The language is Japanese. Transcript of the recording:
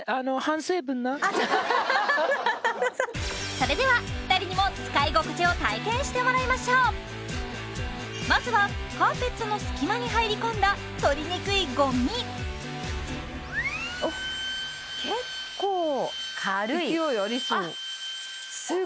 それでは２人にも使い心地を体験してもらいましょうまずはカーペットの隙間に入り込んだ取りにくいゴミ結構軽い勢いありそうあっ